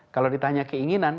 kalau ditanya keinginan